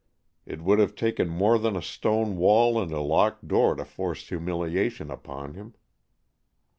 It would have taken more than a stone wall and a locked door to force humiliation upon him.